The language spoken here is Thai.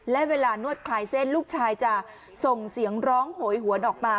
และเวลานวดคลายเส้นลูกชายจะส่งเสียงร้องโหยหวนออกมา